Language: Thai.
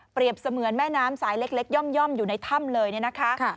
เปรียบเสมือนแม่น้ำสายเล็กย่อมอยู่ในถ้ำเลยนะคะ